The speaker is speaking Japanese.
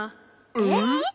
えっ？